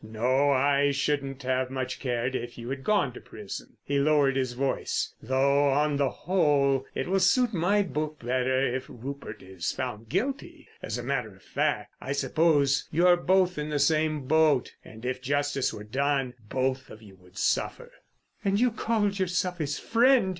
No, I shouldn't have much cared if you had gone to prison." He lowered his voice: "Though on the whole it will suit my book better if Rupert is found guilty. As a matter of fact, I suppose you're both in the same boat, and if justice were done, both of you would suffer." "And you called yourself his friend!"